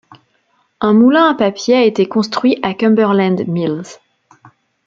Un moulin à papier a été construit à Cumberland Mills.